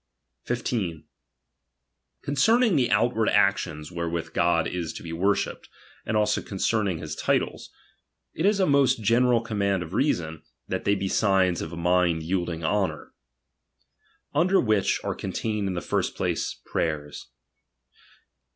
■ 15. Concerning the oM/warrf «c^/o«* wherewith re God is to be worshipped, as also concerning his ''' titles ; it is a most general command of reason, that they be signs of a mind yielding honour. Under which are contained in the first pla< prayers.